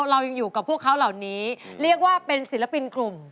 เรายังอยู่กับพวกเขาเหล่านี้เรียกว่าเป็นศิลปินกลุ่ม